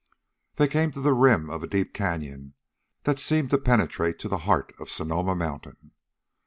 They came to the rim of a deep canyon that seemed to penetrate to the heart of Sonoma Mountain.